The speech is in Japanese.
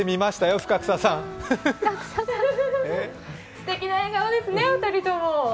すてきな笑顔ですね、２人とも。